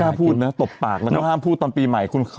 พูดนะตบปากแล้วก็ห้ามพูดตอนปีใหม่